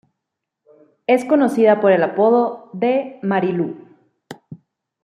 Es conocida por el apodo de "Marilú".